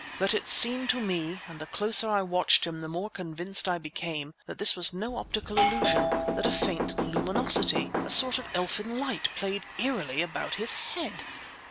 But it seemed to me, and the closer I watched him the more convinced I became, that this was no optical illusion, that a faint luminosity, a sort of elfin light, played eerily about his head!